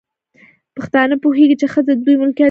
پښتانه پوهيږي، چې ښځې د دوی ملکيت نه دی